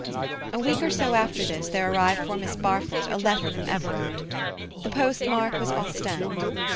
A week or so after this there arrived for Miss Barfoot a letter from Everard. The postmark was Ostend.